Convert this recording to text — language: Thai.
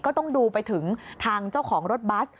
ต้องดูไปถึงทางเจ้าของรถบัส